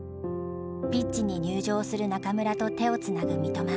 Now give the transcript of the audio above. ピッチに入場する中村と手をつなぐ三笘。